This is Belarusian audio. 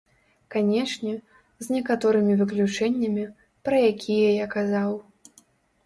Канечне, з некаторымі выключэннямі, пра якія я казаў.